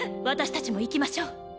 私達も行きましょう